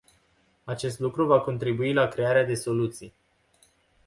Acest lucru va contribui la crearea de soluții.